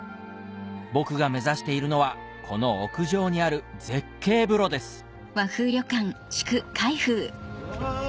僕が目指しているのはこの屋上にある絶景風呂ですうわ！